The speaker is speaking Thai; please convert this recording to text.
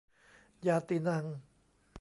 ญาตีนัง